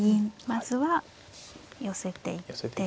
まずは寄せていって。